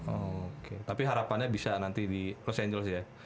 oh oke tapi harapannya bisa nanti di los angeles ya